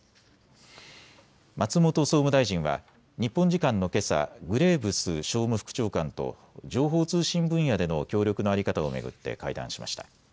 松本総務大臣は日本時間のけさ、グレーブス商務副長官と情報通信分野での協力の在り方を巡って会談しました。